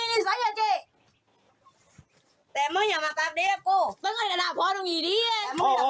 ร้องตากูทำก๊อตแมนต่อเดียว